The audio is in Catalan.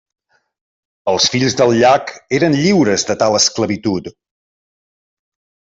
Els fills del llac eren lliures de tal esclavitud.